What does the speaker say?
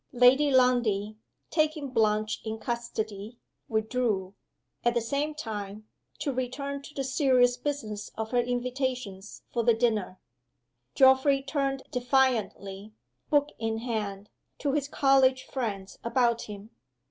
Lady Lundie (taking Blanche in custody) withdrew, at the same time, to return to the serious business of her invitations for the dinner. Geoffrey turned defiantly, book in hand, to his college friends about him.